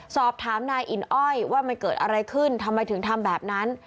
สอบถามนายอินอ้อยว่ามันเกิดอะไรขึ้นทำไมถึงทำแบบนั้น